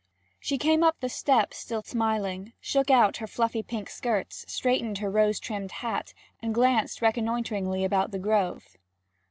She came up the steps still smiling, shook out her fluffy pink skirts, straightened her rose trimmed hat, and glanced reconnoitringly about the grove.